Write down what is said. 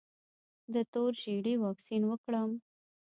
د تور ژیړي واکسین وکړم؟